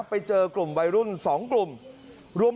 ไปเจอกลุ่มวัยรุ่น๒กลุ่ม